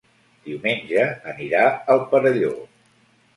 Diumenge anirà al Perelló.